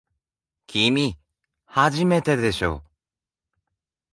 きみ、初めてでしょ。